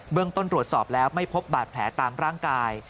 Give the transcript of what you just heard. ต้นตรวจสอบแล้วไม่พบบาดแผลตามร่างกาย